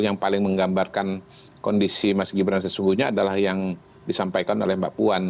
yang paling menggambarkan kondisi mas gibran sesungguhnya adalah yang disampaikan oleh mbak puan